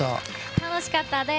楽しかったです！